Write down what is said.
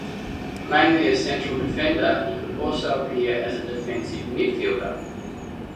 Mainly a central defender, he could also appear as a defensive midfielder.